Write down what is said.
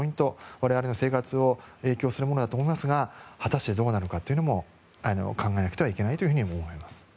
我々の生活に影響するものだと思いますが果たしてどうなるのかというのも考えなくてはいけないと思います。